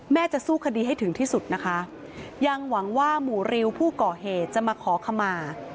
จะสู้คดีให้ถึงที่สุดนะคะยังหวังว่าหมู่ริวผู้ก่อเหตุจะมาขอขมา